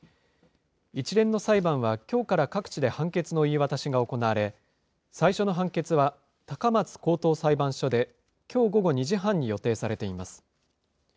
一連の裁判は、きょうから各地で判決の言い渡しが行われ、最初の判決は、高松高等裁判所で、きょう午後２時半に予定されています。